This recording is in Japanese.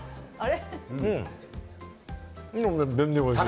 全然おいしい。